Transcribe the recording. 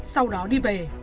sau đó đi về